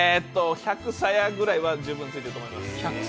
１００さやぐらいは十分あると思います。